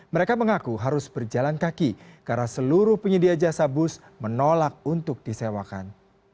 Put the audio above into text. mereka mengaku harus berjalan kaki karena seluruh penyedia jasa bus menolak untuk disewakan